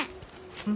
うん？